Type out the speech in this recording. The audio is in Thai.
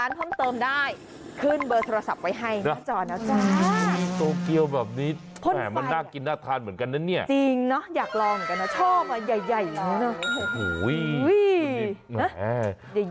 จอดแล้วจ๊ะโตเกียวแบบนี้มันน่ากินน่าทานเหมือนกันนี่จริงเนอะอยากลองเหมือนกันเนอะชอบมันใหญ่เนี่ย